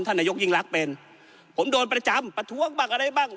นายกยิ่งรักเป็นผมโดนประจำประท้วงบ้างอะไรบ้าง